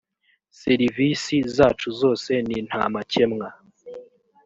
serivisi zacu zose ni nta makemwa